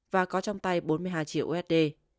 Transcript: và có trong tay bốn mươi hai triệu usd